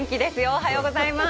おはようございます！